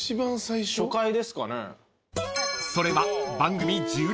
［それは］